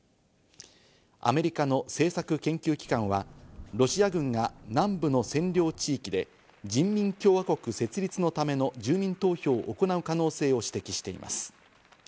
アメリカの政策研究期間はロシア軍が南部の占領地域で人民共和国設立のための住民投票を行う可能性を指摘しています。